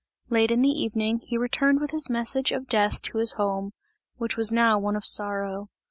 Late in the evening, he returned with his message of death to his home, which was now one of sorrow.